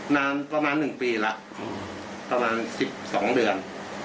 นานประมาณหนึ่งปีละประมาณสิบสองเดือน